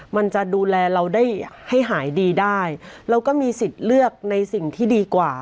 มันจะดูแลเราได้ให้หายดีได้เราก็มีสิทธิ์เลือกในสิ่งที่ดีกว่า